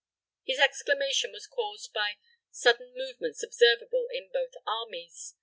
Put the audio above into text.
His exclamation was caused by sudden movements observable in both armies.